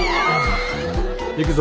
・行くぞ。